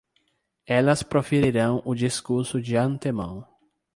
Elas proferirão o discurso de antemão